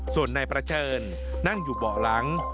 ส่วนนายประเชิญนั่งอยู่เบาะหลัง